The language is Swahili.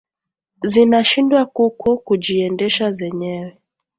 zinashindwa ku ku kujiendesha zenyewe